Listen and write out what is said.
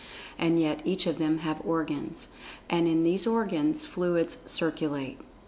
And yet each of them have organs. And in these organs fluids circulate.